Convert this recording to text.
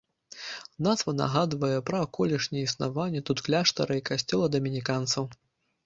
Назва нагадвае пра колішняе існаванне тут кляштара і касцёла дамініканцаў.